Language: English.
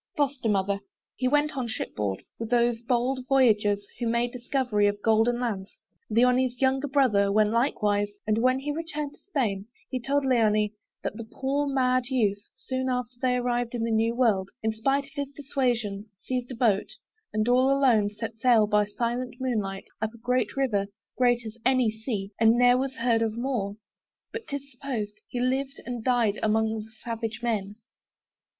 FOSTER MOTHER. He went on ship board With those bold voyagers, who made discovery Of golden lands. Leoni's younger brother Went likewise, and when he returned to Spain, He told Leoni, that the poor mad youth, Soon after they arrived in that new world, In spite of his dissuasion, seized a boat, And all alone, set sail by silent moonlight Up a great river, great as any sea, And ne'er was heard of more: but 'tis supposed, He lived and died among the savage men.